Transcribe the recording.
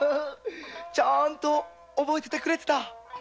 ちゃんと覚えていてくれた。